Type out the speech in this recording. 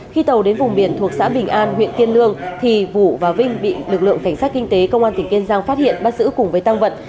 khi tàu đến vùng biển thuộc xã bình an huyện tiên lương thì vũ và vinh bị lực lượng cảnh sát kinh tế công an tỉnh kiên giang phát hiện bắt giữ cùng với tăng vật